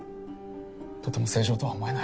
とても正常とは思えない。